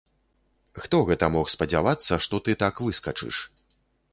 Хто гэта мог спадзявацца, што ты так выскачыш!